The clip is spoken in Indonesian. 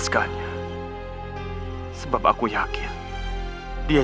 kau cari dia